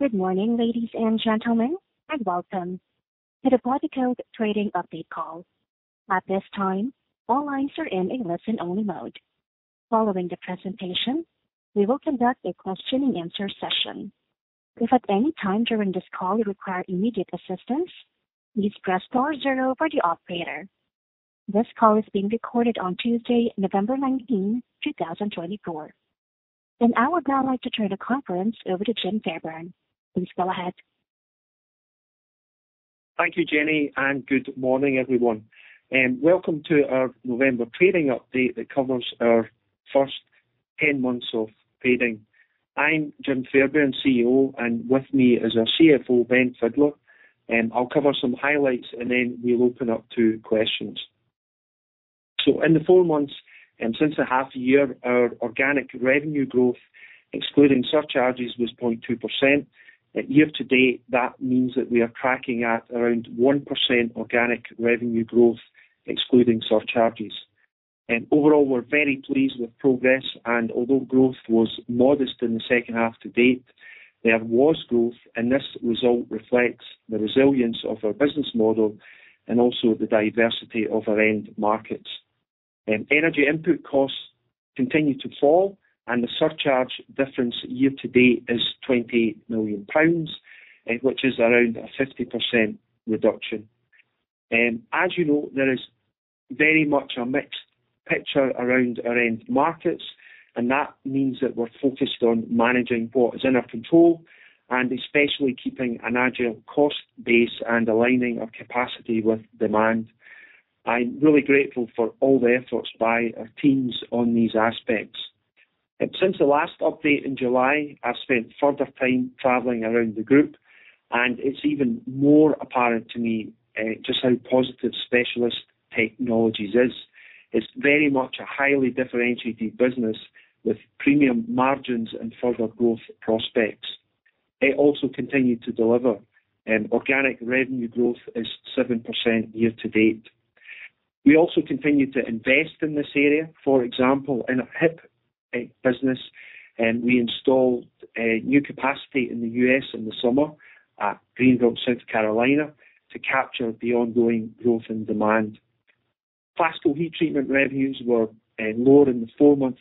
Good morning, ladies and gentlemen, and welcome to the Bodycote Trading update call. At this time, all lines are in a listen-only mode. Following the presentation, we will conduct a question-and-answer session. If at any time during this call you require immediate assistance, please press star zero for the operator. This call is being recorded on Tuesday, November 19, 2024. I would now like to turn the conference over to Jim Fairbairn. Please go ahead. Thank you, Jenny, and good morning, everyone. Welcome to our November trading update that covers our first 10 months of trading. I'm Jim Fairbairn, CEO, and with me is our CFO, Ben Fidler. I'll cover some highlights, and then we'll open up to questions. So in the four months since half year, our organic revenue growth, excluding surcharges, was 0.2%. Year to date, that means that we are tracking at around 1% organic revenue growth, excluding surcharges. Overall, we're very pleased with progress, and although growth was modest in the second half to date, there was growth, and this result reflects the resilience of our business model and also the diversity of our end markets. Energy input costs continue to fall, and the surcharge difference year to date is 28 million pounds, which is around a 50% reduction. As you know, there is very much a mixed picture around our end markets, and that means that we're focused on managing what is in our control and especially keeping an agile cost base and aligning our capacity with demand. I'm really grateful for all the efforts by our teams on these aspects. Since the last update in July, I've spent further time traveling around the group, and it's even more apparent to me just how positive Specialist Technologies is. It's very much a highly differentiated business with premium margins and further growth prospects. It also continued to deliver, and organic revenue growth is 7% year to date. We also continue to invest in this area. For example, in our HIP business, we installed new capacity in the U.S. in the summer at Greenville, South Carolina, to capture the ongoing growth in demand. Classical heat treatment revenues were lower in the four-month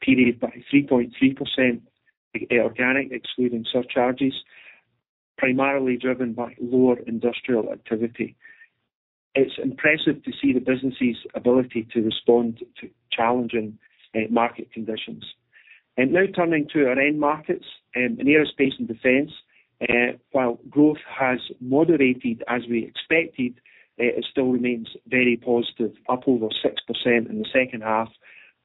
period by 3.3%, organic, excluding surcharges, primarily driven by lower industrial activity. It's impressive to see the business's ability to respond to challenging market conditions. Now turning to our end markets, in aerospace and defense, while growth has moderated as we expected, it still remains very positive, up over 6% in the second half,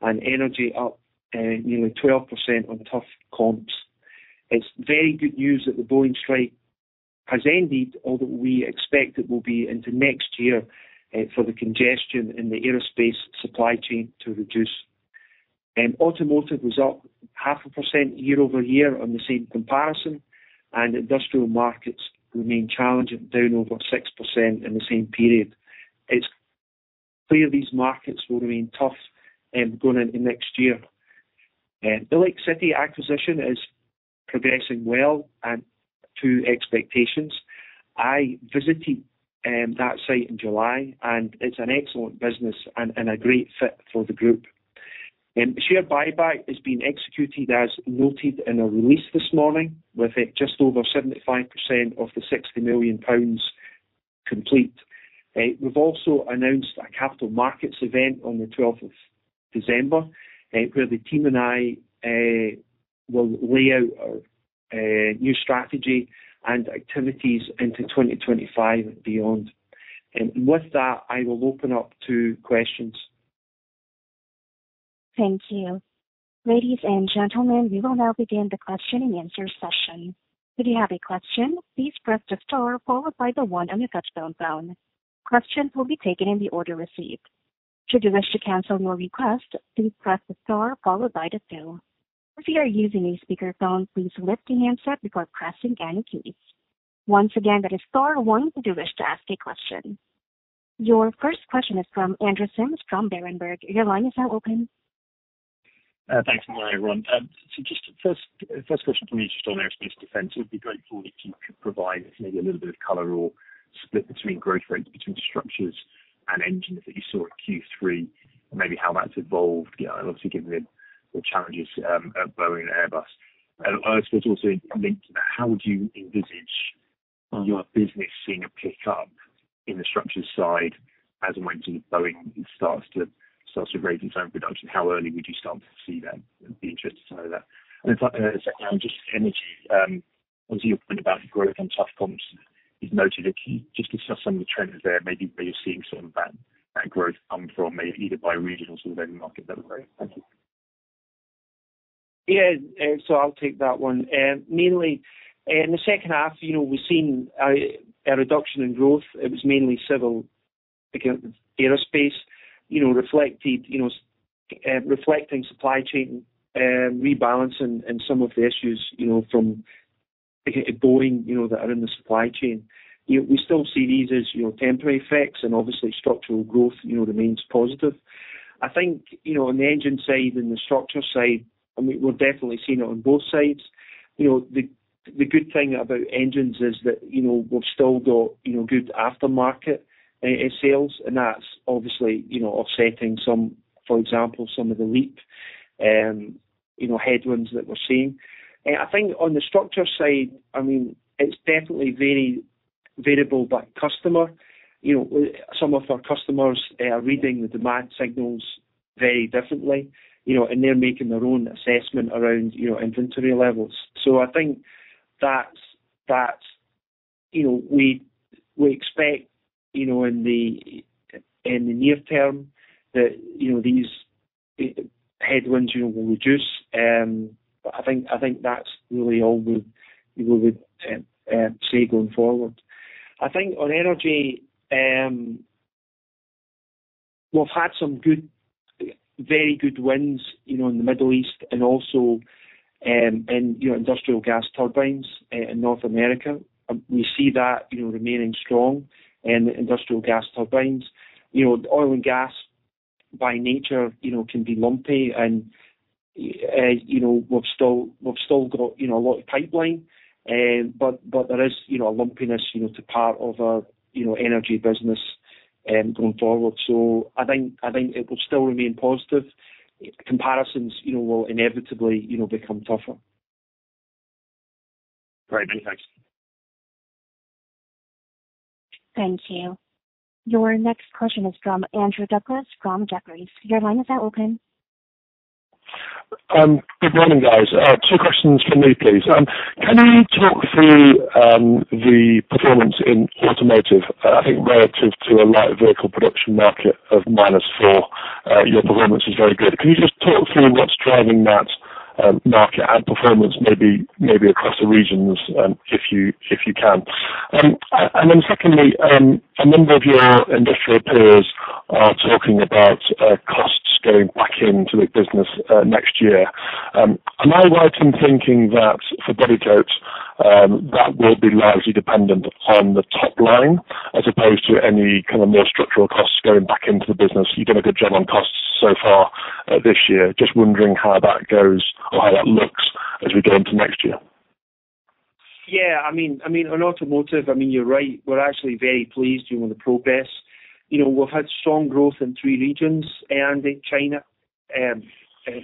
and energy up nearly 12% on tough comps. It's very good news that the Boeing strike has ended, although we expect it will be into next year for the congestion in the aerospace supply chain to reduce. Automotive was up 0.5% year-over-year on the same comparison, and industrial markets remain challenging, down over 6% in the same period. It's clear these markets will remain tough going into next year. The Lake City acquisition is progressing well and to expectations. I visited that site in July, and it's an excellent business and a great fit for the group. Share buyback is being executed, as noted in a release this morning, with just over 75% of the 60 million pounds complete. We've also announced a capital markets event on the 12th of December where the team and I will lay out our new strategy and activities into 2025 and beyond. And with that, I will open up to questions. Thank you. Ladies and gentlemen, we will now begin the question-and-answer session. If you have a question, please press the star followed by the one on your touch-tone phone. Questions will be taken in the order received. Should you wish to cancel your request, please press the star followed by the two. If you are using a speakerphone, please lift the handset before pressing any keys. Once again, that is star one if you wish to ask a question. Your first question is from Andrew Simms from Berenberg. Your line is now open. Thanks for the line, everyone. So just first question for me, just on aerospace defense, we'd be grateful if you could provide maybe a little bit of color or split between growth rates between structures and engines that you saw at Q3, maybe how that's evolved, obviously given the challenges at Boeing and Airbus. I suppose also linked to that, how would you envisage your business seeing a pickup in the structures side as and when Boeing starts to raise its own production? How early would you start to see that? I'd be interested to know that. And secondly, just energy, obviously your point about growth on tough comps is noted. Can you just discuss some of the trends there? Maybe where you're seeing some of that growth come from, maybe either by region or sort of over market level? Thank you. Yeah, so I'll take that one. Mainly in the second half, we've seen a reduction in growth. It was mainly civil aerospace reflecting supply chain rebalancing and some of the issues from Boeing that are in the supply chain. We still see these as temporary effects, and obviously structural growth remains positive. I think on the engine side and the structure side, and we're definitely seeing it on both sides, the good thing about engines is that we've still got good aftermarket sales, and that's obviously offsetting some, for example, some of the LEAP headwinds that we're seeing. I think on the structure side, I mean, it's definitely very variable by customer. Some of our customers are reading the demand signals very differently, and they're making their own assessment around inventory levels. So I think that we expect in the near term that these headwinds will reduce. But I think that's really all we would say going forward. I think on energy, we've had some very good wins in the Middle East and also in industrial gas turbines in North America. We see that remaining strong in industrial gas turbines. Oil and gas, by nature, can be lumpy, and we've still got a lot of pipeline, but there is a lumpiness to part of our energy business going forward. So I think it will still remain positive. Comparisons will inevitably become tougher. Great. Many thanks. Thank you. Your next question is from Andrew Douglas from Jefferies. Your line is now open. Good morning, guys. Two questions for me, please. Can you talk through the performance in automotive, I think relative to a light vehicle production market of -4? Your performance is very good. Can you just talk through what's driving that market and performance, maybe across the regions, if you can? And then secondly, a number of your industrial peers are talking about costs going back into the business next year. Am I right in thinking that for Bodycote, that will be largely dependent on the top line as opposed to any kind of more structural costs going back into the business? You've done a good job on costs so far this year. Just wondering how that goes or how that looks as we go into next year. Yeah, I mean, on automotive, I mean, you're right. We're actually very pleased with the progress. We've had strong growth in three regions and China,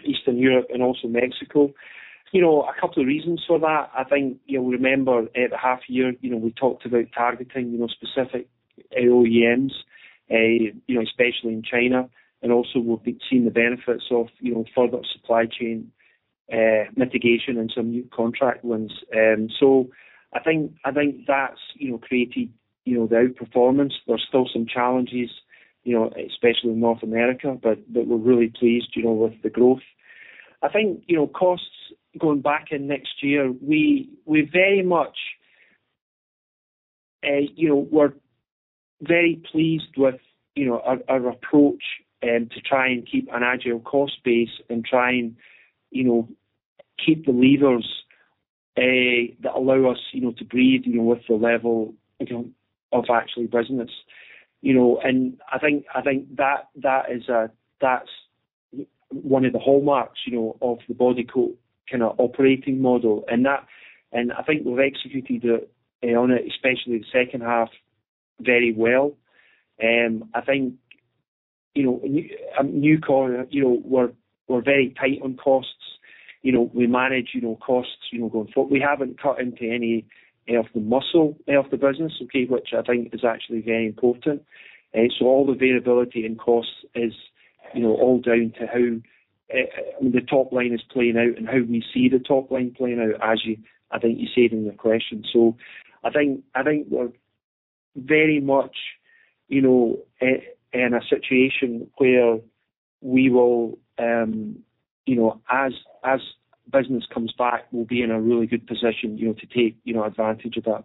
Eastern Europe, and also Mexico. A couple of reasons for that. I think you'll remember the half year, we talked about targeting specific OEMs, especially in China, and also we've seen the benefits of further supply chain mitigation and some new contract wins. So I think that's created the outperformance. There's still some challenges, especially in North America, but we're really pleased with the growth. I think costs going back in next year, we're very pleased with our approach to try and keep an agile cost base and try and keep the levers that allow us to breathe with the level of actual business, and I think that is one of the hallmarks of the Bodycote kind of operating model. And I think we've executed on it, especially the second half, very well. I think new car, we're very tight on costs. We manage costs going forward. We haven't cut into any of the muscle of the business, which I think is actually very important. So all the variability in costs is all down to how the top line is playing out and how we see the top line playing out, as I think you said in your question. So I think we're very much in a situation where we will, as business comes back, will be in a really good position to take advantage of that.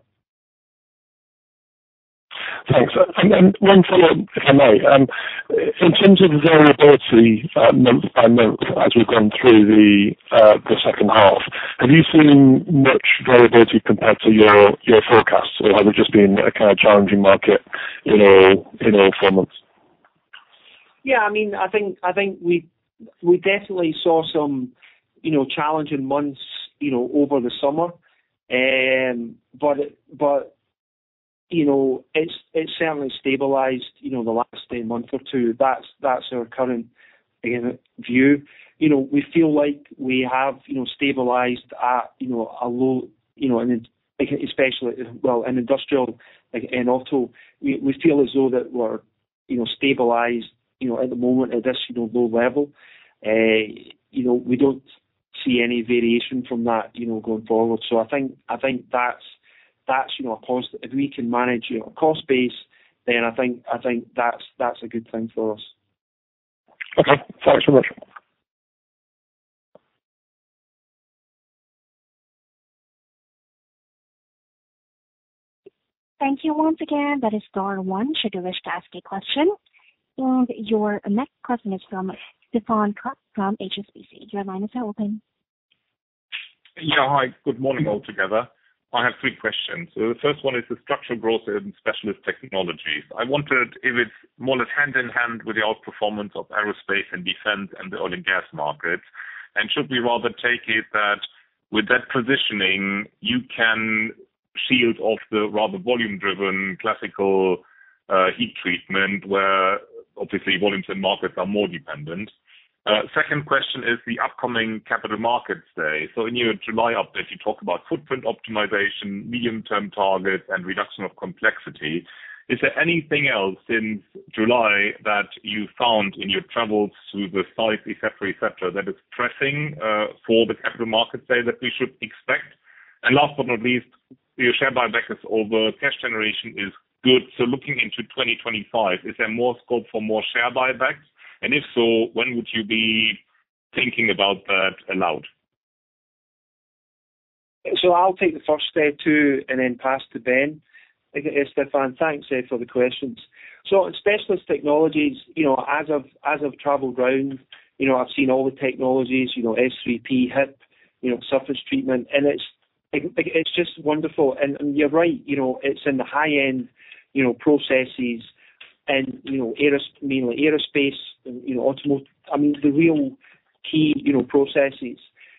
Thanks. And then one follow-up, if I may. In terms of variability month by month as we've gone through the second half, have you seen much variability compared to your forecasts, or has it just been a kind of challenging market in all four months? Yeah, I mean, I think we definitely saw some challenging months over the summer, but it's certainly stabilized the last month or two. That's our current view. We feel like we have stabilized at a low, especially, well, in industrial and auto, we feel as though that we're stabilized at the moment at this low level. We don't see any variation from that going forward. So I think that's a positive. If we can manage a cost base, then I think that's a good thing for us. Okay. Thanks so much. Thank you once again. That is star one, should you wish to ask a question. And your next question is from Stephan Klepp from HSBC. Your line is now open. Yeah, hi. Good morning altogether. I have three questions. The first one is the structural growth in Specialist Technologies. I wondered if it's more hand in hand with the outperformance of aerospace and defense and the oil and gas markets, and should we rather take it that with that positioning, you can shield off the rather volume-driven classical heat treatment where obviously volumes and markets are more dependent? Second question is the upcoming Capital Markets Day. So in your July update, you talk about footprint optimization, medium-term targets, and reduction of complexity. Is there anything else since July that you found in your travels through the site, etc., etc., that is pressing for the Capital Markets Day that we should expect? And last but not least, your share buyback over cash generation is good. So looking into 2025, is there more scope for more share buybacks? If so, when would you be thinking about that aloud? I'll take the first question too and then pass to Ben. Stephan, thanks for the questions. Specialist Technologies, as I've traveled around, I've seen all the technologies: S3P, HIP, surface treatment, and it's just wonderful. You're right, it's in the high-end processes and mainly aerospace, automotive. I mean, the real key processes.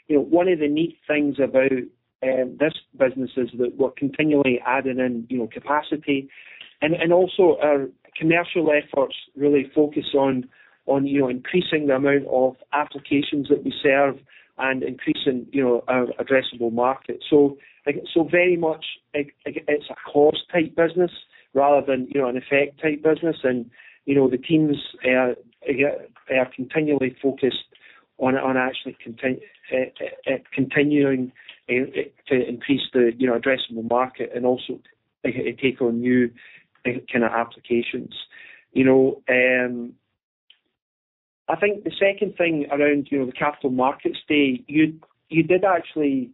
One of the neat things about this business is that we're continually adding in capacity, and also our commercial efforts really focus on increasing the amount of applications that we serve and increasing our addressable market. Very much it's a cost-type business rather than an asset-type business, and the teams are continually focused on actually continuing to increase the addressable market and also take on new kind of applications. I think the second thing around the Capital Markets Day. You did actually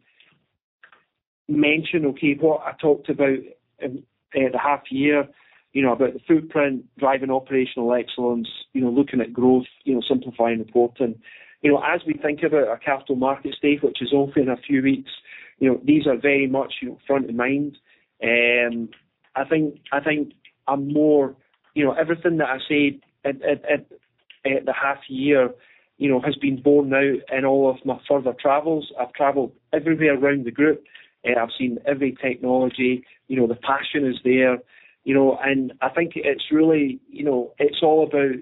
mention, okay, what I talked about the half year about the footprint, driving operational excellence, looking at growth, simplifying reporting. As we think about our Capital Markets Day, which is on in a few weeks, these are very much front of mind. I think, moreover, everything that I said at the half year has been borne out in all of my further travels. I've traveled everywhere around the group. I've seen every technology. The passion is there, and I think it's really all about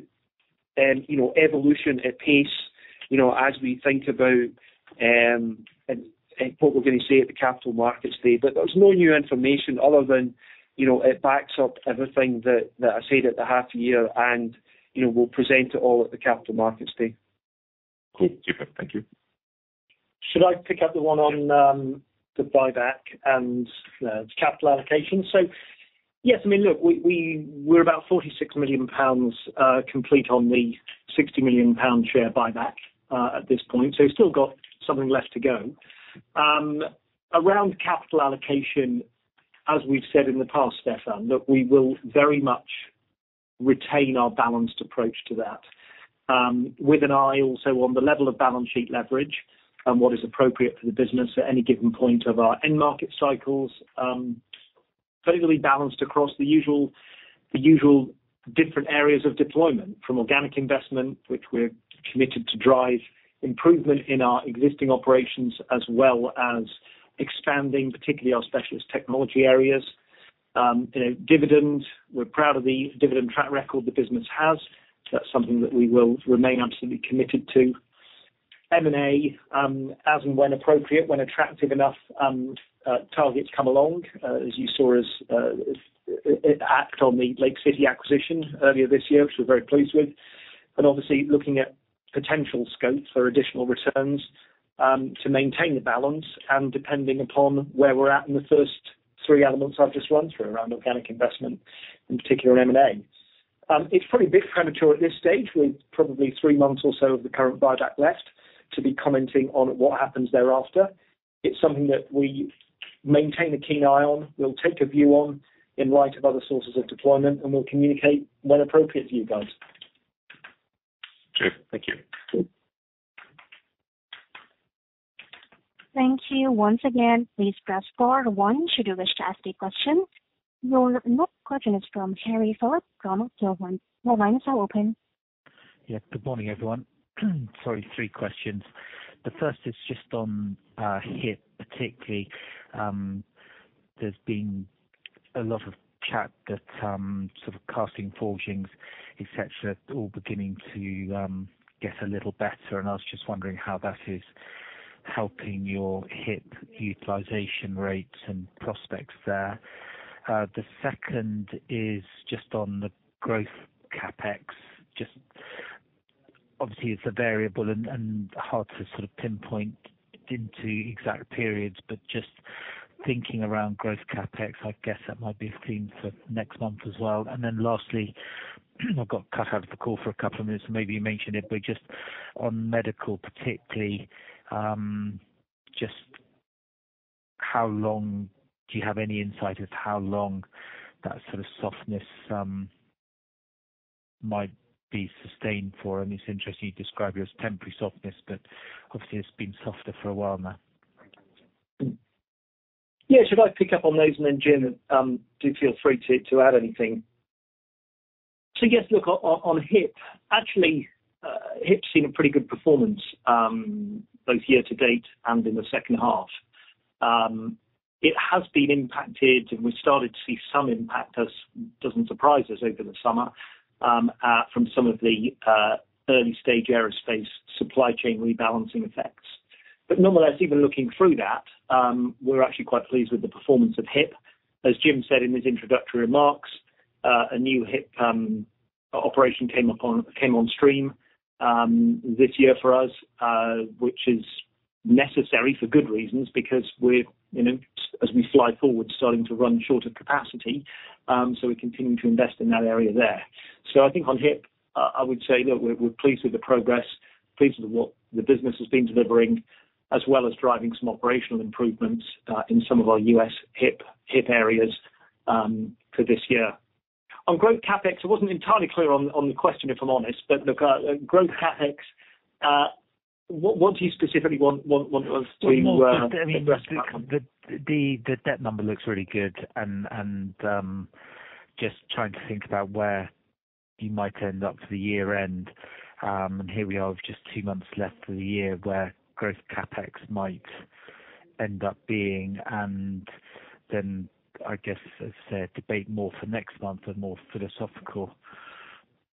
evolution at pace as we think about what we're going to say at the Capital Markets Day. But there's no new information other than it backs up everything that I said at the half year and we'll present it all at the Capital Markets Day. Cool. Super. Thank you. Should I pick up the one on the buyback and capital allocation? So yes, I mean, look, we're about 46 million pounds complete on the 60 million pound share buyback at this point. So we've still got something left to go. Around capital allocation, as we've said in the past, Stephan, look, we will very much retain our balanced approach to that with an eye also on the level of balance sheet leverage and what is appropriate for the business at any given point of our end market cycles. Totally balanced across the usual different areas of deployment from organic investment, which we're committed to drive improvement in our existing operations as well as expanding, particularly our specialist technology areas. Dividend, we're proud of the dividend track record the business has. That's something that we will remain absolutely committed to. M&A, as and when appropriate, when attractive enough targets come along, as you saw us act on the Lake City acquisition earlier this year, which we're very pleased with. But obviously looking at potential scope for additional returns to maintain the balance and depending upon where we're at in the first three elements I've just run through around organic investment, in particular M&A. It's probably a bit premature at this stage with probably three months or so of the current buyback left to be commenting on what happens thereafter. It's something that we maintain a keen eye on, we'll take a view on in light of other sources of deployment, and we'll communicate when appropriate to you guys. Sure. Thank you. Thank you once again. Please press star one should you wish to ask a question. Your next question is from Harry Philips from Peel Hunt. Your line is now open. Yeah, good morning, everyone. Sorry, three questions. The first is just on HIP, particularly there's been a lot of chat that sort of castings, forgings, etc., all beginning to get a little better, and I was just wondering how that is helping your HIP utilization rates and prospects there? The second is just on the growth CapEx. Just obviously it's a variable and hard to sort of pinpoint into exact periods, but just thinking around growth CapEx, I guess that might be a theme for next month as well. And then lastly, I got cut out of the call for a couple of minutes, so maybe you mentioned it, but just on medical, particularly just how long do you have any insight as to how long that sort of softness might be sustained for? It's interesting you describe it as temporary softness, but obviously it's been softer for a while now. Yeah, should I pick up on those and then, Jim? Do feel free to add anything. So yes, look, on HIP. Actually HIP's seen a pretty good performance both year to date and in the second half. It has been impacted, and we've started to see some impact. Doesn't surprise us over the summer, from some of the early stage aerospace supply chain rebalancing effects. But nonetheless, even looking through that, we're actually quite pleased with the performance of HIP. As Jim said in his introductory remarks, a new HIP operation came on stream this year for us, which is necessary for good reasons because we're, as we fly forward, starting to run short of capacity. We continue to invest in that area there. So I think on HIP, I would say, look, we're pleased with the progress, pleased with what the business has been delivering, as well as driving some operational improvements in some of our U.S. HIP areas for this year. On growth CapEx, I wasn't entirely clear on the question if I'm honest, but look, growth CapEx, what do you specifically want us to address? I mean, the debt number looks really good, and just trying to think about where you might end up for the year end, and here we are, with just two months left of the year where growth CapEx might end up being, and then I guess, as I say, debate more for next month, a more philosophical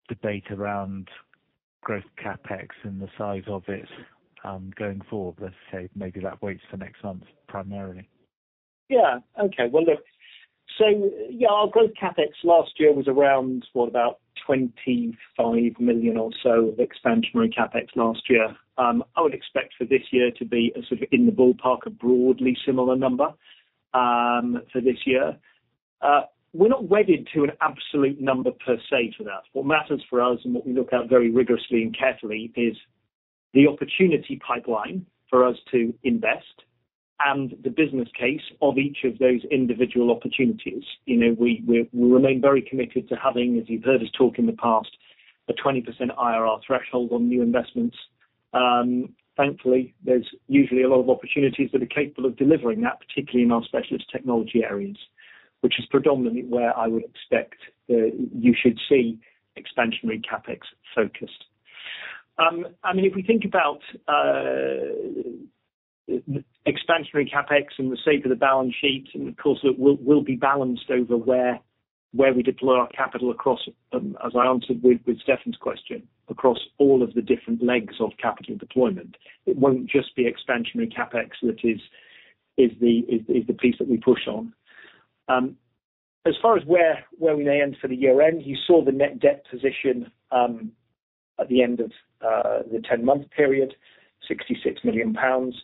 debate around growth CapEx and the size of it going forward. As I say, maybe that waits for next month primarily. Yeah. Okay. Well, look, so yeah, our growth CapEx last year was around, what, about 25 million or so of expansionary CapEx last year. I would expect for this year to be sort of in the ballpark of broadly similar number for this year. We're not wedded to an absolute number per se to that. What matters for us and what we look at very rigorously and carefully is the opportunity pipeline for us to invest and the business case of each of those individual opportunities. We remain very committed to having, as you've heard us talk in the past, a 20% IRR threshold on new investments. Thankfully, there's usually a lot of opportunities that are capable of delivering that, particularly in our specialist technology areas, which is predominantly where I would expect that you should see expansionary CapEx focused. I mean, if we think about expansionary CapEx and the state of the balance sheet, and of course, it will be balanced over where we deploy our capital across, as I answered with Stephan's question, across all of the different legs of capital deployment. It won't just be expansionary CapEx that is the piece that we push on. As far as where we may end for the year end, you saw the net debt position at the end of the 10-month period, 66 million pounds.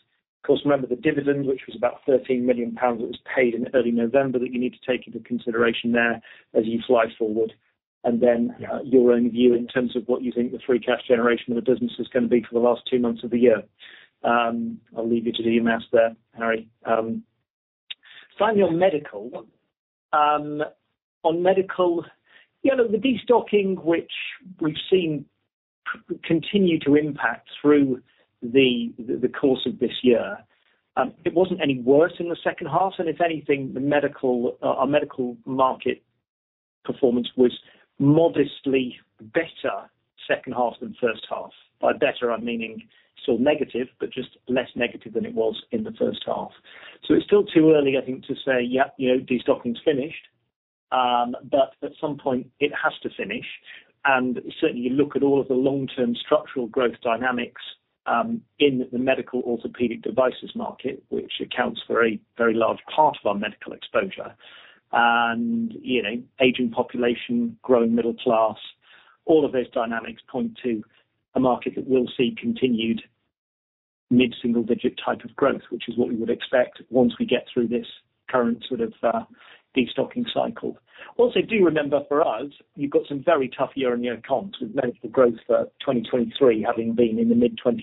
Of course, remember the dividend, which was about 13 million pounds that was paid in early November that you need to take into consideration there as you fly forward, and then your own view in terms of what you think the free cash generation of the business is going to be for the last two months of the year. I'll leave you to do your math there, Harry. Finally, on medical, yeah, look, the destocking, which we've seen continue to impact through the course of this year, it wasn't any worse in the second half. And if anything, our medical market performance was modestly better second half than first half. By better, I'm meaning still negative, but just less negative than it was in the first half. So it's still too early, I think, to say, "Yep, destocking's finished," but at some point, it has to finish. And certainly, you look at all of the long-term structural growth dynamics in the medical orthopedic devices market, which accounts for a very large part of our medical exposure, and aging population, growing middle class, all of those dynamics point to a market that will see continued mid-single-digit type of growth, which is what we would expect once we get through this current sort of destocking cycle. Also, do remember for us, you've got some very tough year-on-year comps with medical growth for 2023 having been in the mid-20%.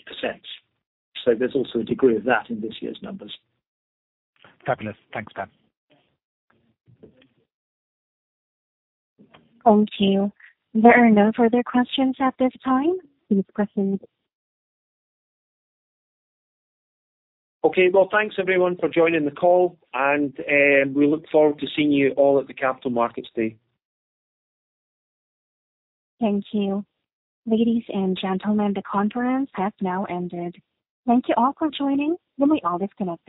So there's also a degree of that in this year's numbers. Fabulous. Thanks, Ben. Thank you. There are no further questions at this time. Please proceed. Thanks everyone for joining the call, and we look forward to seeing you all at the Capital Markets Day. Thank you. Ladies and gentlemen, the conference has now ended. Thank you all for joining. You may now disconnect.